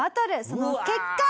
その結果。